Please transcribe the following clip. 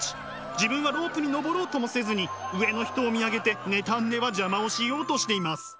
自分はロープに登ろうともせずに上の人を見上げて妬んでは邪魔をしようとしています。